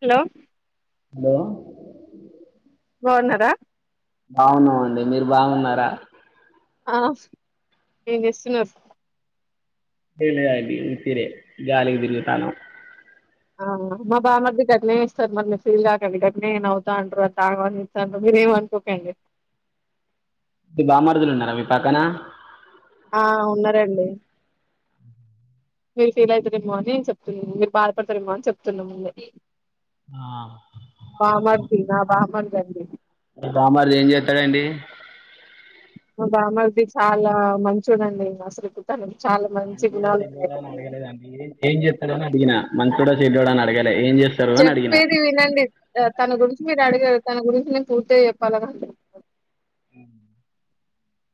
Hello hello బావున్నారా బాగున్నామండి మీరు బాగున్నారా ఆ ఏమ్ చేస్తున్నారు లే అట్టి ఉత్తిదే గాలికి తిరుగుతాను ఆ మా బామర్ది కి అట్టినే చేసి సార్ మనీ ఫీల్ కాకండి కట్నే నవ్వుతా అంటారు అది తాగని ఇస్తాంటారు మీర ఏమనుకోకండి నీ బామారుదులు ఉన్నారా మీ పాక్కనా ఆ ఉన్నారండి మీరు ఫీల్ అవుతారేమ్మో అని చెప్తున్నా మీరు బాధపడతారేమ్మో అని చెప్తున్నా ముందే ఆ ఇకండి మీ బామ్మర్ది ఏం చేస్తాడండి మా బామర్ది చాలా మంచోడండి అసలుకు తన మంచోడా చెడ్డోడా అని అడగలేదండి ఏం చేస్త ఉత్తదిగానే అడిగిన మంచోడా చెడ్డోడా అని అడగట్ చెప్పేది వినండి తన్ తన గురించి మీరు అడిగారు. తన గురించి నేను పూర్తిగా చెప్పాలగాండి హు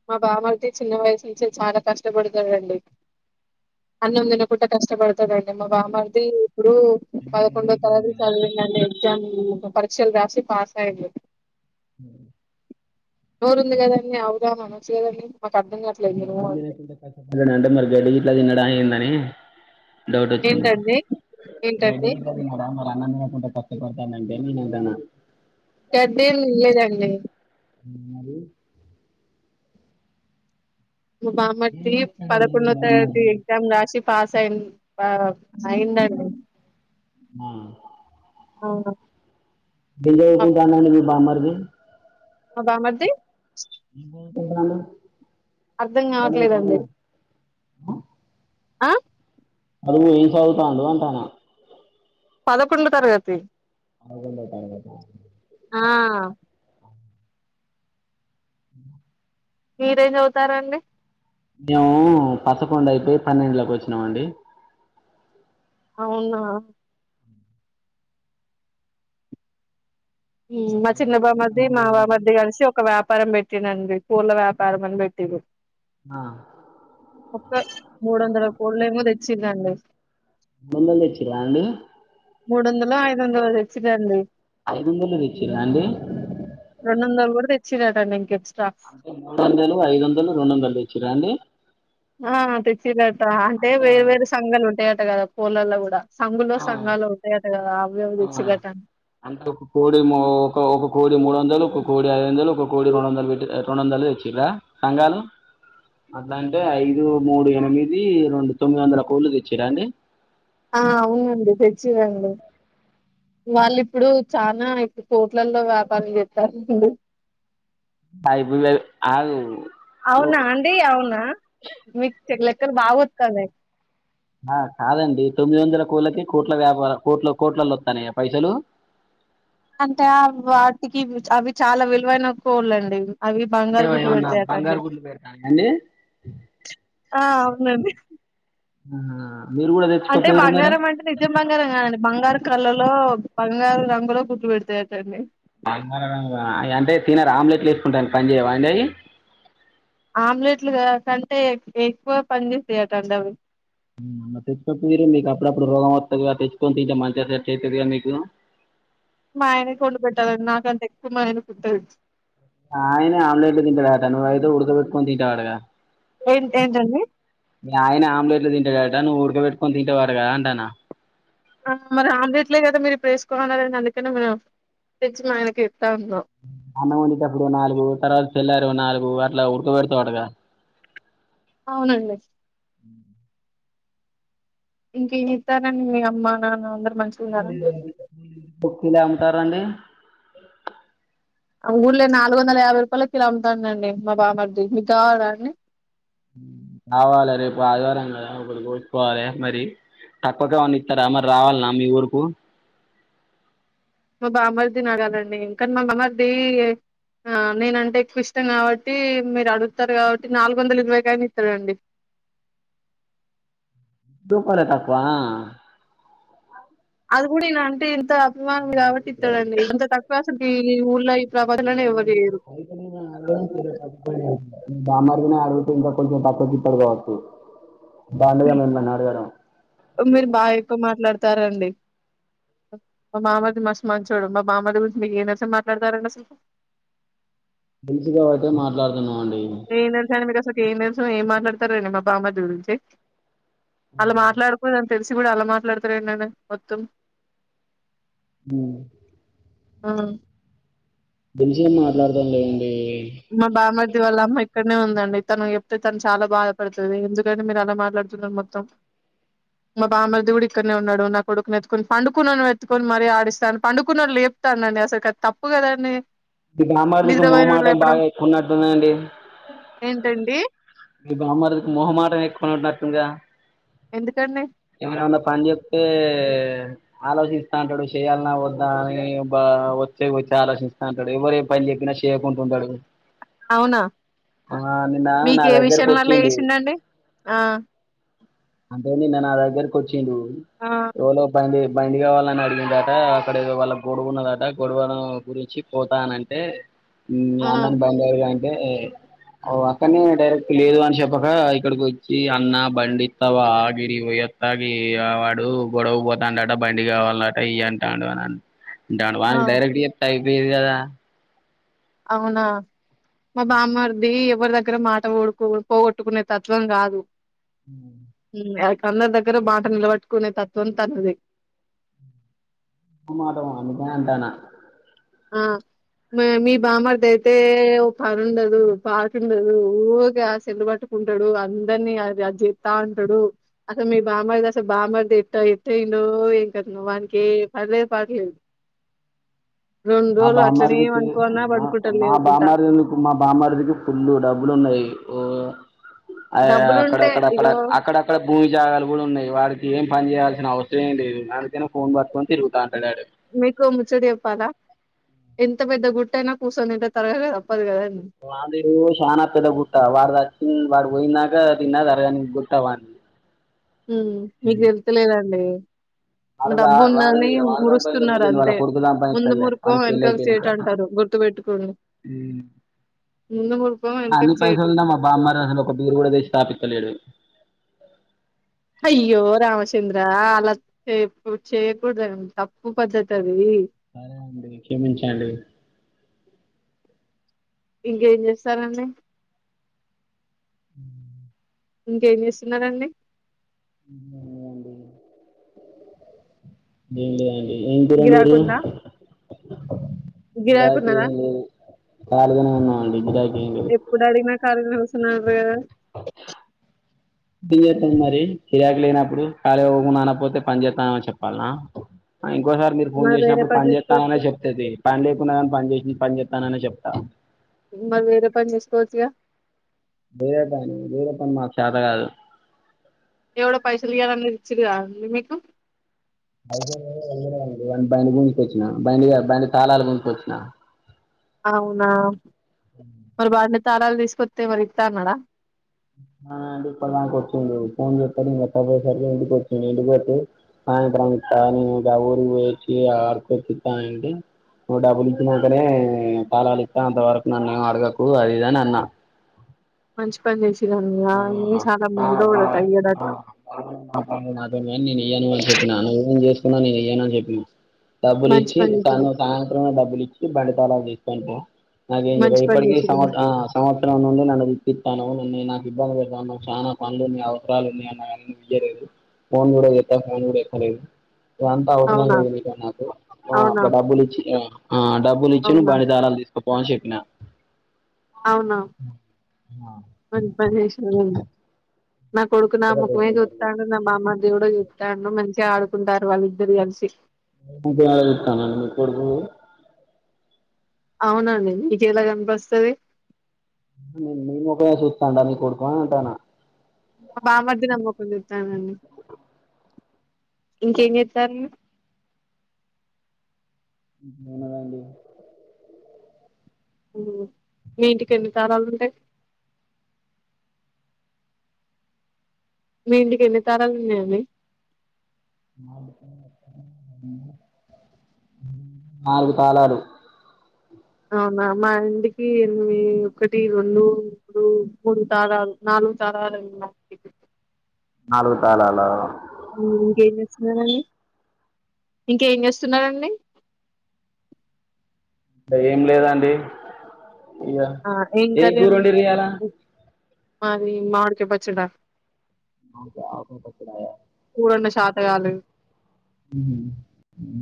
మా బామర్ది చిన్న వయసు నుంచే చాలా కష్టపడుతాడండి. అన్నం తినకుండా కష్టపడడు అంతేనండి మా బామర్ది ఇప్పుడు పదకొండో తరగతి చదివినండి ఎగ్జామ్. ఇంటర్ పరీక్షలు రాసి పాస్ అయ్యిండు ఉ. నోరు ఉంది గదాన్ని అవు ఎగ్జామ్ అనొచ్చు కదండీ ఆ అన్నం తిని అంటే మీరు గడ్డి గిడ్డి ఇట్లా తిని దాని మిందనే డౌట్ వచ్చింది ఏంటండి ఏంటండి బైడింగ్ ఇట తింటాడా మరి అన్నం తిన అంట కష్టపడతానంటే నేను వద్ధాన గడ్డి ఏం తినలేదండి బామ్మర్ది పదకొండో తేదీ ఎగ్జామ్ రాసి పాస్ అయిం ఆ అయిందండి. మా అవును బజార్ మా కిటా అన్నం తిని మీ బామ్మర్ది మా బామ్మర్ది నేనేం అంటున్నానండి అర్ధం కావట్లేదండి. ఆ. ఆ అది పోయిం చదుగుతా అందు అంటానా. పదకొండు తరగతి. అవుకుటాటా. ఆ. అ. [inaudible] మీరేం చదుతారంండి. మేము పసకొండ అయిపోయి పన్నెండులోకి వచ్చినామ అండి. అవునా. మా చిన్నబాబ మధ మా బా మధ కలిసి ఒక వ్యాప. వ్యాపారం పెట్టినండి పూల వ్యాపారం అని పెట్టి. ఆ ఒక్క మూడు వందల కోట్లు ఏమో తెచ్చిందండి. ముందు వచ్చ అండి మూడు వందలు ఐదు వందలు తెచ్చదండి ఐ వచ్చి అంటడి ఇక్కడ రాసిన పదాలకు పైన రికార్డు చేసిన పదాలకు సంబంధం లేదు ఐదువందల తెచ్చిలా అండి. అని ఉన్నది చరట నంకె అంటే మూడు వందలు ఐదు వందలు రెండు వందలు తెచ్చరా అండి ఆ తెచ్చిలా అంటే వే వేరు సంఘాలు ఉంటా అంత కదా పోలల్లో కూడా సంఘులో సంఘాలు ఉంటాయట కదా అవేవో తెచ్చిరట అంటే ఒక కోడి ఒక ఒక కోడి మూడు వందలు ఒక కోడి ఐదు వందలు ఒక కోడి రెండు వందలు పెట్టి రెండు వందలు తెచ్చరా సంఘాలు అట్లా అంటే ఐదు మూడు ఎనిమిది రెండు తమి అంద కోలుచ్చ ఇక్కడ వేరే విధంగా ఉంది వాయిస్ రికార్డ్ లో వేరే విధంగా ఉంది తొమ్మిదివందల కోళ్లు తెచ్చింలు కిరాణ ఆ అవునండి తెచ్చిదండి వాళ్ళు ఇప్పుడు చనా ఇప్పుడు కోట్లల్లో వ్యాపారం చేస్తారండి. సాయిబ అవునా అండి అవునా లెక్కల బాగా వస్తున్నాయి ఆ కాదండి తొమ్మిది వందల కోళ్ళకి కోట్ల వ్యాపార కోట్ల కోట్లలో వస్తానయ పైసలు అంటే వాటికి అవి చాలా విలువైన కోళ్ళండి అవి బంగారు గుడ్లు పెడతాయిక్కండి అండి ఆ అవునండి ఆ మీరు కూడా అంటే తెచ్చుకోపోయిర్రు మరి బంగారం అంటే నిజం బంగారం కాదండి బంగారు కళ్ళలో బంగారు రంగులో కుట్లు పెడతాయటండి. బంగ అంటే తిన్నరా ఆమ్లెట్లు వేసుకుంటా పని చేయవా అండి అవి ఆమ్లెట్లు కంటే ఎక్కువ పని చేసాయటండి అవి అ తెచ్చుకోపోయూరు మీరు మీకు అప్పుడప్పుడు రోగం వస్తుంది తెచ్చుకొ ఇంంట మంచిగా సెట్ అవుతుంది కద మీకు మా ఆయన కొం పెట్టాలండి నాకంత ఎక్కువ మా ఆయన కుుట్టదు ఆయన ఆమ్లెట్లు తింటాడు ఆట నువ్వవుైతే ఉడకబెట్టుకని తింటావాడుగా ఏంటి ఏంటండి మీ ఆయన ఆమ్లట్ తింటాడట నువ్వు ఉడకెట్టుకొని తింటవాట గా అంటాన్న ఆ మరి ఆమ్లెట్లే కదా మీరు ఇప్పుడు వేసుకోన్నని అందుకనే మెంట్ తెంచి ఆయనకి ఇస్తా ఉన్నాం అన్నం వండుతప్పుడు నాలుగు తరాజ్ తెల్లరు నాలుగు అట్లా ఉడకబెడతా ఆటగా అవునండి అ ఇంక ఏం ఏస్తారాండి మీ అమ్మ నాన్న అందరూ బుక్కలేంటారంండి ఆ ఊళ్ళ నాలుగు వందల యాభై రూపాయల కిలో అమ్తాండి మా బామది మీకు కావాలా అండి హుం కావాలే రేపు ఆదివారం కదా ఒకటి కోసుకోవాలే మరి తక్కువకేమన్న ఇస్తారా మరి రావాలన్నా మీ ఊరుకు మా బామర్ది నాగదండి ఇంకా కానీ మా బమర్ది నేన అంటే ఎక్కువ ఇష్టం కాబట్టి మీరు అడుగుతారు కాబట్టి నాలుగు వందలు ఇరవైకిైనా ఇస్తారంండి దూపర తక్కువా అది కూడా ఇనా అంటే ఇంత మీ మామే కాబట్టి ఇత్తడండి బస్ [unintelligible] ల్లయి [inaudible] బామర్దినే అడుగుతే ఇంకా కొంచెం తక్కువ కి ఇత్తడు కాబట్టి మీరు బాగ్ ఎక్కువ మాట్లాడుత్ స్తారండి మా మామ ది మస్తు మంచోడు మా బామ్మది గురించి మీకు ఏం తెలుసు అని మాట్లాడతారంండి అసలు కు తెలుసుగాబటిే మాట్లా ఏం తెలుసు అండి మీకు అసలు కి ఏం తెలుస్ ఏం మాట్లాడతారండి మా బామ్మర్ది గురించి ఆళ్ళ మాట్లాడుకునిన్ తెలిసి కూడా అలా మాట్లాడతారెండడిను మొత్తం హాం ఆ తెలిసిగా మాట్లాడతాం లేండి మా బామ్మర్ది వాళ్ళ అమ్మ ట్ ఇక్కడనే ఉందండి తను చెప్తే తను చాలా బాధపడుతది ఎందుకంటే మీరు అలా మాట్లాడుతున్నారు మొత్తం మా బామరిది కూడా ఇక్కడనే ఉన్నాడు నా కొడుకుని ఎత్తుకొని పండుకున్న వన్నీ ఎత్తుకొని మరీ ఆడిస్తాను పండుకున్న వాడు లేప్తానండి అసలు కు తప్పు కదండి ఇది రామజకి నిద్రపోయినోని మోమాటం లేపడం బాగా ఎక్కువన్నడుతుందండి ఏ మీ బామర్ది కి మొహమాటం ఎక్కువ కొనన్నటుంగా ఎందుకండి పని చెప్తే ఆలోచిస్తా అంటాడు చేయాలన్నా వద్దా అని వచ్చే వచ్చి ఆలోచిస్తా అంటాడు ఎవర పని చెప్పినా చేయకుంటడాంటాడు అవునా నిన్న మీకు నా ఏ విష్ దగ్గరకు జనవరిలో వచ్చిండు వేసిందండి ఆ అంతేంది నేను నా దగ్గరకు వచ్చిండు ఆ ఎవలో పంది బండి కావాలని అడిగిందట అక్కడదో వాళ్ళ గొడువ ఉన్నదట గొడవను గురించి పోతా అనంటే హ్మ్మ్ ఆ ఆడు బంగ అంటే ఓ అక్కనే డైరెక్ట్ లేదు అని చెప్పక ఇక్కడికి వచ్చి అన్న బండి తవా ఆగిరి పో అలాగే ఆ వాడు గొడవ పోతాండట బండి కావాలట ఇ అంటాడు అని దాని ఆ వాకి డైరెక్ట్ చెప్తే వేరు కదా అవునా మా బామ్మారిది ఎవరి దగ్గర మాట పొడ పోగొట్టుకునే తత్వం కాదు అందరి దగ్గర మాట నిలబట్టుకునే తత్వం తనది ఆ మాట అనకు అంటానా ఆ మా మీ బామర్ది అయితే ఓ పనిండదు పాటుండదు ఊగా ఆ సేల్లు పట్టుకుంటాడు అందరినీ అది ఎత్తా ఉంటాడు అసలు మీ బామ్మారిది అసలు బామ్మార్ది ఎ ఎట్టందో ఏం కథనో వానికి ఏ పనిలేదు పాటలేదు. రెండు మా రోజులు అట్లనే బామ్మారిదికి పనుకోన్నా మా పనుకుంటాడు మా లేవకుండా బామ్మారిదికు మా బామ్మారిదికి ఫుల్లు డబ్బులు ఉన్నాయి ఓ ఆ డబ్బులుంటే అక్కడక్కడక్కడ ఇగో అక్కడక్కడ భూమి జాగాలు కూడా ఉన్నాయి వాడికి ఏం పని చేయాల్సిన అవసరం ఏ లేదు. నాలెక్కనే ఫోన్ పట్టుకుని తిరుగుతాండు మీకు ముచ్చట చెప్పాలా ఎంత పెద్ద గుట్టనా కూర్సొని తింటే తరగద వాడిదో చానా పెద్ద గుట్ట వాడుచ్చింది వాడు పోయినాకా తిన్న తరగని గుట్ట వాడిది ఉమ్ మీకు తెళ్తలేదండి వద వది వదాం ప మురుస్తున్నారు పోతుంది వాళ్ళ అంతే కొడుకు దాం ముందు పస్తలే మురుపం వానకు ఫెయిల్ వెనకకు అయిపోయినాక చేటు అంటారు గుర్తుపెట్టుకోండి ముందు మురుపం అన్ని వెనకకు చేటు పైసలున్నా మా బామ్మారు అసలు ఒక పేరు కూడా తెచ్చి స్థాపిించలేడు అయ్యో రామచంద్ర అలా చే చేయకూడదు తప్పు పద్ధతి అది సరే అండి క్షమించండి ఇంకేం చేస్తారండి ఇంకేం చేస్తున్నారంండి ఏం లేదు అండి ఏం లేదు అండి ఏం కూర మీరు గిరాకుందా గిరాకున్నదా [unintelligible] ఖాళీగానే ఉన్నామంటే ఇప్పుడైతే ఏం లేదు. స్తునా ప చేస్తాంది మరి ఫిరాయాకు లేనప్పుడు ఖాళీ పోవకుండా అన్న పోతే పని చేస్తానుని చెప్పాల ఇంకోసార్ మీరు ఫోన్ మరి వేరే చేసినప్పుడు పని చేస్తాననే చేసుకోవచ్చుగా చెప్తేది పని లేకున్నా కాని పని చేస్త నను పనిచ చెస్తాననే చెప్తాను మరి వేరే పని చేసుకోవచ్చుగా వీరేపాని వీరప్పని మాకు చేత కాదు ఎవడ పైసలున అన్న ఇచ్చది నిమకు అయి బయ గుంచికొచ్చిన బయ బం తాళాల గుంచక వచ్చినా అవునా మ బడి తారాలు తీసుకతే మరి ఇ తా అన్నాడ ఆ ఇప్ప దాక వచ్చిండు ఫోన్ చెస్తాడు ఇంకస్త పోయేసరికి ఇంటికొచ్చిండి ఇంటిక వచ్చి సాయంత్రం ఇస్తా నేను ఊరు వేచ్చి అడుకొచ్చిస్తా అంటి నువ్వు డబ్బులు ఇచ్చినాకనే కళాలు ఇస్తా అంతవరకు నన్న అడగకు అది ఇదని అన్న ప ఇ బా సాలముండో బా ఆ టయ్యటట బాగా మాట్లాడు సున్నాని అనా చెప్ప డబ్బులు మంచి ఇచ్చి పని చేసిరు తను సాయంత్రం డబ్బులు ఇచ్చి బం ాలప్ప నాకే ఇర మంచి పని ఇప్పటికీ చేసిరు సంవత్ సంవత్సరం నుండి నన్న అది పనవ ఉన్నా నా ఇబ్బంది పెన్నాం చాలా పనులున్నాయి అవసరాలు ఉన్నాయి అన్న వియలేదు ఫోన్ కూడా ఎత్తా ఫోన్ కూడా ఎక్కలేదు ఇదంతా అవసరం అవునా లేదు అవునా నాకు డబ్బులు ఇచ్చి డబ్బులు ఇచ్చి నువ్ అవునా బడి దనాాలు తీసుకోచ్చ పో చెకిిన అవునా పది ఆవు నా కొడుకు నా ముకుమే సుత్తండు నా మామ దేవుడు చెప్తాను మంచిగా ఆడుకుంటారు వాళ్ళిద్దరు కలిసి కాన కోబ అవునండి నీక ఎలా కనిపిస్తుంది నేను నేను ఒకే చూస్తాంట నీ కొడుకుని అంటాను బామది నమ్ పందుతానడి ఇంకేం చేస్తారండి మనదడి మీ ఇంటికి ఎన్ని తాళాలు ఉంటాయి మీ ఇంటికి ఎన్ని తాళాలు ఉన్నాయండి నాలుగు తాళాలు అవునా మా ఇంటికి ఎ ఒకటి రెండు మూడు మూడు తాళాలు నాలుగు తాళాలు మా టికెట్ నాలుగు తాళాల ఇంకా ఎంచేస్తున్నారండీ ఇంకేం చేస్తున్నారంండి అంటే ఏం లేదండి ఇయ్య ఆ ఏం కర్రీ కూర అండి అండిలీయాల మాది మాడికే పచ్చడా [unintelligible] సగాలు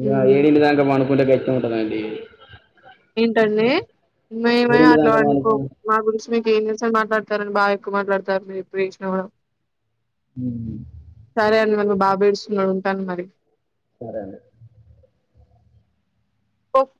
ఇగా హ్మ్ ఏడింటి దాకా పండుకుంటే గట్ ంటందడి ఏంటండి మే మేం అట్లా దాంక పండుకొం పనుకొని మా గురించ్ మీక ఏం తెలుసు అని మాట్లాడతారని బాగా ఎక్కువ మాట్లాడతారు మీరూ ఎప్పుడూ చేసిన కూడా హుమ్ సరే అండి మరి మా బాబు ఏడుస్తున్నాడు ఉంటాను మరి సరే అండి పస్